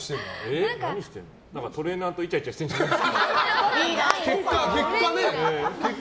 トレーナーとイチャイチャしてるんじゃいいな。